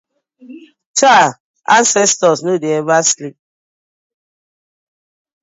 Chaaah!! Ancestors no dey ever sleep.